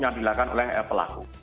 yang dilakukan oleh pelaku